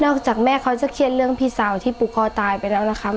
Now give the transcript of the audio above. จากแม่เขาจะเครียดเรื่องพี่สาวที่ผูกคอตายไปแล้วนะคะ